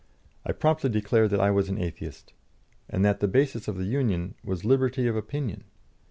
I promptly declared that I was an Atheist, and that the basis of the union was liberty of opinion.